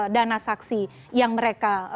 dana saksi yang mereka